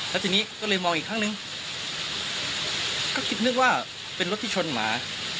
แล้วทีนี้ก็เลยมองอีกครั้งนึงก็คิดนึกว่าเป็นรถที่ชนหมา